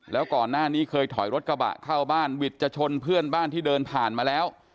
แล้วก่อนหน้านี้เคยถอยรถกระบะเข้าบ้านวิทย์จะชนเพื่อนบ้านที่เดินผ่านมาแล้ว